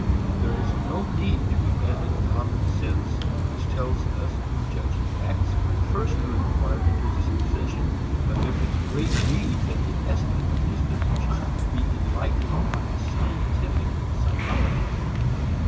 There is no need to abandon common sense which tells us in judging acts first to inquire into disposition; but there is great need that the estimate of disposition be enlightened by a scientific psychology.